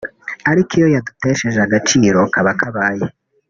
ariko iyo yagutesheje agaciro kaba kabaye